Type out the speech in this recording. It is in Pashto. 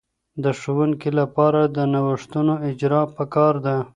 د ښوونکې لپاره د نوښتونو اجراء په کار ده.